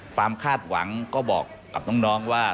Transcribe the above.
คาดหวังก็บอกกับน้องว่า